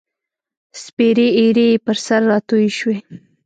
سپیرې ایرې یې پر سر راتوی شوې